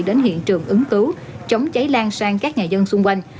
đến hiện trường ứng cứu chống cháy lan sang các nhà dân xung quanh